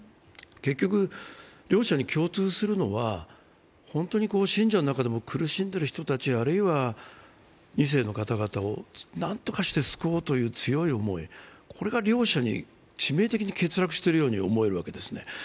結局、両者に共通するのは信者の中でも苦しんでる人たち、あるいは２世の方々を何とかして救おうという強い思い、これが両者に致命的に欠落しているように思えるんですね。